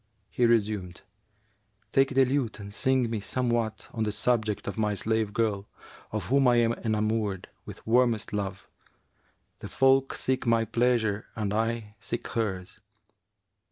He resumed, 'Take the lute and sing me somewhat on the subject of my slave girl, of whom I am enamoured with warmest love: the folk seek my pleasure and I seek hers.'